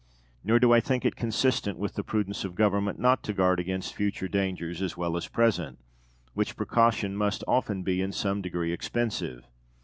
Nor do I think it consistent with the prudence of government not to guard against future dangers, as well as present; which precaution must be often in some degree expensive.